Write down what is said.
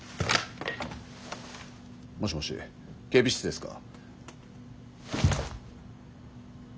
もしもし警備室ですか？